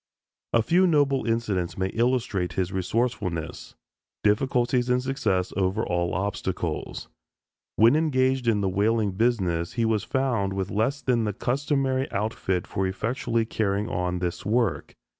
A few noble incidents may illustrate his resourcefulness, difficulties and success over all obstacles. When engaged in the whaling business he was found with less than the customary outfit for effectually carrying on this work.